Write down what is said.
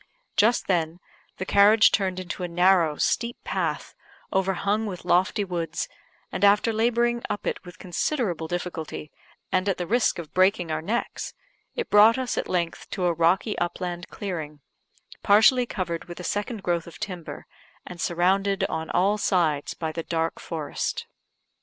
Just then, the carriage turned into a narrow, steep path, overhung with lofty woods, and after labouring up it with considerable difficulty, and at the risk of breaking our necks, it brought us at length to a rocky upland clearing, partially covered with a second growth of timber, and surrounded on all sides by the dark forest.